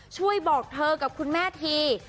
บอกเธอกับคุณแม่ที